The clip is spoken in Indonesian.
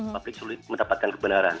publik sulit mendapatkan kebenaran